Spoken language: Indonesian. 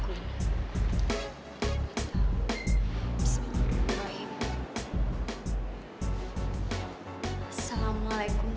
kalau saat ini tante itu mau nangis